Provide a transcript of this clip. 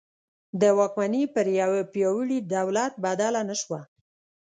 د واکمني پر یوه پیاوړي دولت بدله نه شوه.